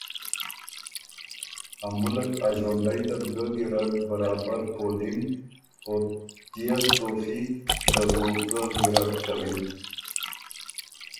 ا ملّک ا ݫوندئ ده بو ګه ګیرډ برابر پولِن او تيېغ توفیق ده بو ګه ګیرد کَوِن۔